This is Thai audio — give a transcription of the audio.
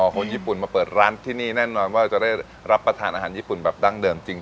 คนญี่ปุ่นมาเปิดร้านที่นี่แน่นอนว่าจะได้รับประทานอาหารญี่ปุ่นแบบดั้งเดิมจริง